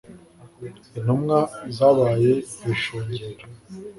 intumwa zabaye ibishungero